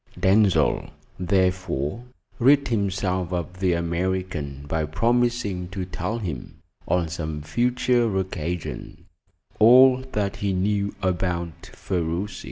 Denzil, therefore, rid himself of the American by promising to tell him, on some future occasion, all that he knew about Ferruci.